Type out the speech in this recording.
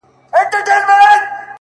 • غلامان دي خپل بادار ته ډېروه یې ,